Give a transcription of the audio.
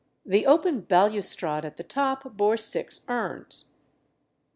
The open balustrade at the top bore six urns.